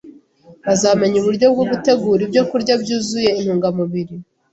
bazamenya uburyo bwo gutegura ibyokurya byuzuye intungamubiri